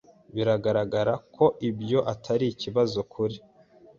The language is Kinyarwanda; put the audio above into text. Biragaragara ko ibyo atari ikibazo kuri .